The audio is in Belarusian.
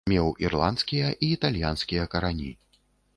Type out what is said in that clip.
Меў ірландскія і італьянскія карані.